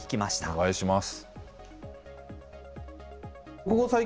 お願いします。